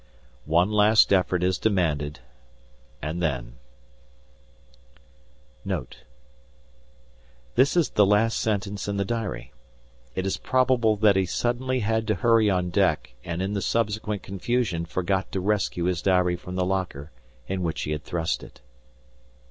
One last effort is demanded, and then NOTE _This is the last sentence in the diary. It is probable that he suddenly had to hurry on deck and in the subsequent confusion forgot to rescue his diary from the locker in which he had thrust it_.